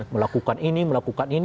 melakukan ini melakukan ini